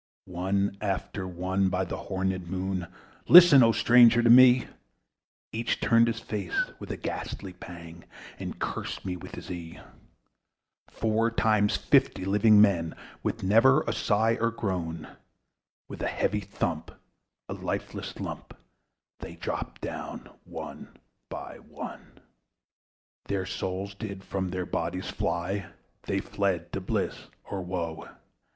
One after one, by the star dogged Moon Too quick for groan or sigh, Each turned his face with a ghastly pang, And cursed me with his eye. Four times fifty living men, (And I heard nor sigh nor groan) With heavy thump, a lifeless lump, They dropped down one by one. The souls did from their bodies fly, They fled to bliss or woe!